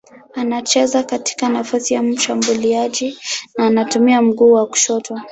Anacheza katika nafasi ya mshambuliaji na anatumia mguu wa kushoto.